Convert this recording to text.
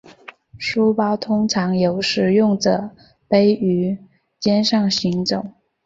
书包通常由使用者背于肩上行走。